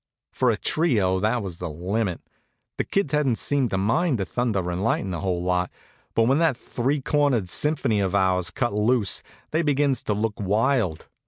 For a trio that was the limit. The kids hadn't seemed to mind the thunder and lightnin' a whole lot, but when that three cornered symphony of ours cut loose they begins to look wild.